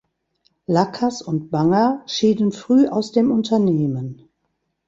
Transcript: Lackas und Banger schieden früh aus dem Unternehmen.